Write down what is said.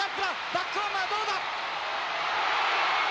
バックホームはどうだ！